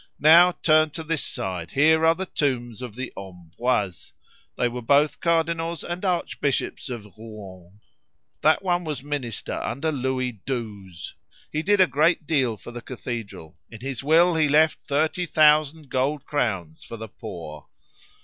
Now turn to this side; here are the tombs of the Ambroise. They were both cardinals and archbishops of Rouen. That one was minister under Louis XII. He did a great deal for the cathedral. In his will he left thirty thousand gold crowns for the poor."